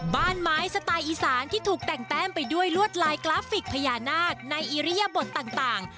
บ้านไม้สไตล์อีสานที่ถูกแต่งแต้มไปด้วยลวดลายกราฟิกพญานาคในอิริยบทต่าง